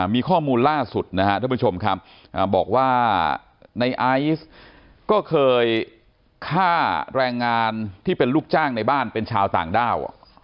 มีข้อมูลล่าสุดนะครับท่านผู้ชมครับบอกว่าในไอซ์ก็เคยฆ่าแรงงานที่เป็นลูกจ้างในบ้านเป็นชาวต่างด้าว